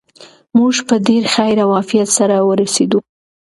موږ په ډېر خیر او عافیت سره ورسېدو.